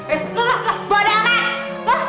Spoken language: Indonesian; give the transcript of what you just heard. eh loh loh loh gue ada anak